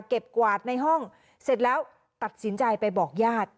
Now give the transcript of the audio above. กวาดในห้องเสร็จแล้วตัดสินใจไปบอกญาติ